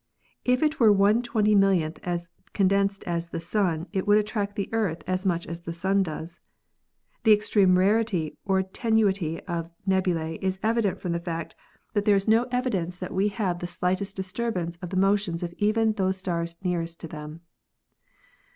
If it were one twenty millionth as condensed as the Sun it would attract the Earth as much as the Sun does. The extreme rarity or tenuity of nebulae is evident from the fact that there is NEBULAE AND STAR CLUSTERS 301 no evidence that we have the slightest disturbance of the motions of even those stars nearest to them.